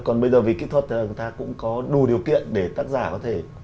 còn bây giờ vì kỹ thuật người ta cũng có đủ điều kiện để tác giả có thể